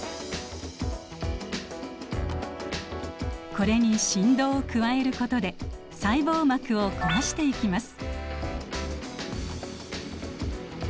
これに振動を加えることで細胞膜を壊していきます。